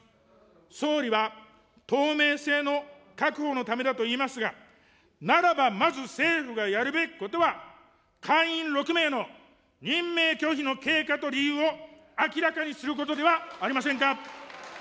総理は透明性の確保のためだといいますが、ならばまず政府がやるべきことは、会員６名の任命拒否の経過と理由を明らかにすることではありませんか。